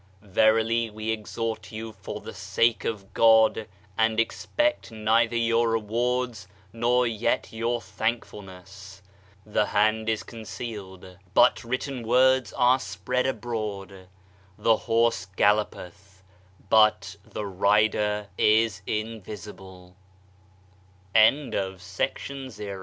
"Verily we exhort you for the sake of God, and expect neither your rewards nor yet your thank fulness." The hand is concealed, but written words are spread abroad; the horse gallopeth but the rider is